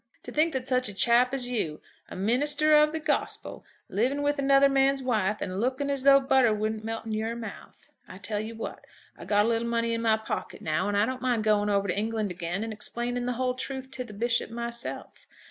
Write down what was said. To think that such a chap as you, a minister of the gospel, living with another man's wife and looking as though butter wouldn't melt in your mouth! I tell you what; I've got a little money in my pocket now, and I don't mind going over to England again and explaining the whole truth to the Bishop myself.